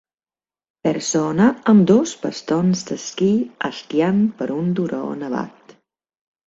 Persona amb dos bastons d'esquí esquiant per un turó nevat